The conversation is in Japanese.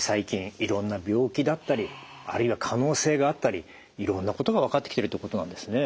いろんな病気だったりあるいは可能性があったりいろんなことが分かってきてるっていうことなんですね。